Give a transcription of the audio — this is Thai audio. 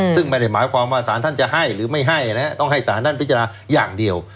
ซึ่งไม่ได้หมายความว่าสารท่านจะให้หรือไม่ให้นะฮะต้องให้สารท่านพิจารณาอย่างเดียว